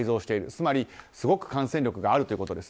つまりすごく感染力があるということです。